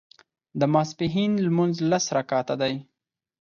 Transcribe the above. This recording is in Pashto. د ماسپښين لمونځ لس رکعته دی